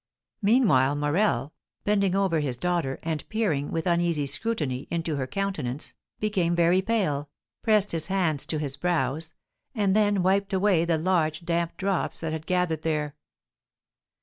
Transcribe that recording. Meanwhile Morel, bending over his daughter, and peering, with uneasy scrutiny, into her countenance, became very pale, pressed his hands to his brows, and then wiped away the large damp drops that had gathered there.